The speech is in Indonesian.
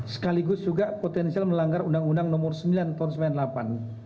sekaligus juga potensial melanggar undang undang nomor sembilan tahun seribu sembilan ratus sembilan puluh delapan